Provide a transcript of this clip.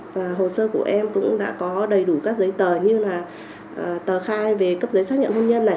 và hồ sơ của em cũng đã có đầy đủ các giấy tờ như là tờ khai về cấp giấy xác nhận hôn nhân này